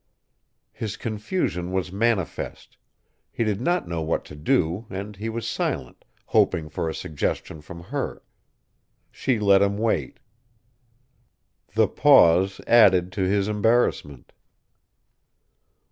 His confusion was manifest. He did not know what to do, and he was silent, hoping for a suggestion from her. She let him wait. The pause added to his embarrassment.